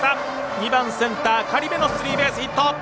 ２番センター苅部のスリーベースヒット。